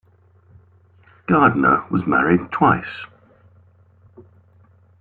Gardiner was married twice.